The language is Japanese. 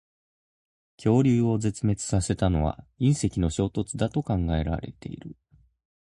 恐竜を絶滅させたのは隕石の衝突だと考えられている。